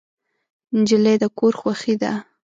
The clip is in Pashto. نجلۍ د کور خوښي ده.